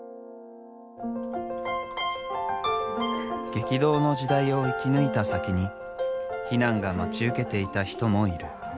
激動の時代を生き抜いた先に避難が待ち受けていた人もいる。